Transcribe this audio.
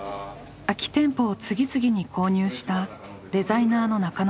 空き店舗を次々に購入したデザイナーの中野さん。